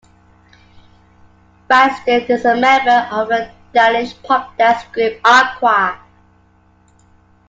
Rasted is a member of the Danish pop-dance group Aqua.